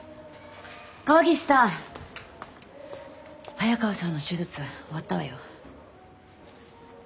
早川さんの手術終わったわよ。